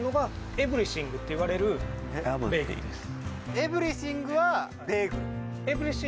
エブリシングっていわれるベーグルです。